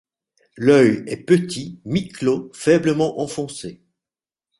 L'œil est petit, mi-clos, faiblement enfoncé.